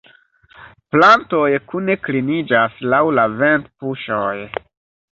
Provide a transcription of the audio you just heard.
Plantoj kune kliniĝas laŭ la ventpuŝoj.